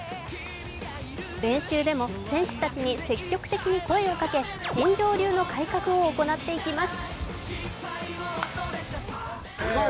練習でも選手たちに積極的に声をかけ新庄流の改革を行っていきます。